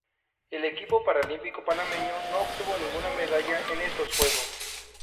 El equipo paralímpico panameño no obtuvo ninguna medalla en estos Juegos.